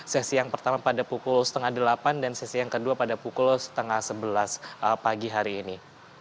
sesi yang pertama pada pukul setengah delapan dan sesi yang kedua pada pukul setengah sebelas pagi hari ini